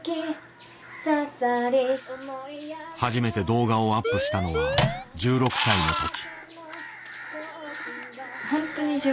初めて動画をアップしたのは１６歳の時。